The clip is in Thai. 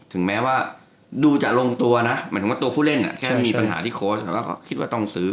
ถึงแม้ว่าดูจะลงตัวนะหมายถึงว่าตัวผู้เล่นแค่มีปัญหาที่โค้ชเขาก็คิดว่าต้องซื้อ